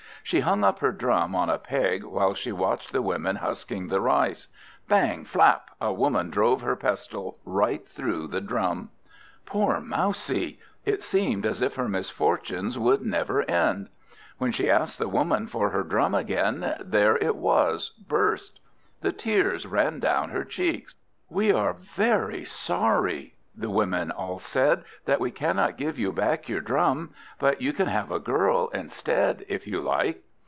She hung up her Drum on a peg, while she watched the women husking the rice. Bang! flap! a woman drove her pestle right through the Drum. Poor Mousie. It seemed as if her misfortunes would never end. When she asked the woman for her Drum again, there it was, burst. The tears ran down her cheeks. "We are very sorry," the women all said, "that we cannot give you back your Drum; but you can have a Girl instead, if you like."